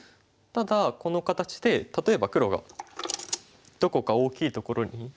ただこの形で例えば黒がどこか大きいところに。